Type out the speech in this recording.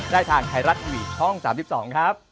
ได้ทางไทรัตวิชช่อง๓๒ครับ